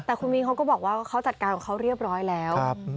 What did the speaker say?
แต่คุณมีนเขาก็บอกว่าเขาจัดการของเขาเรียบร้อยแล้ว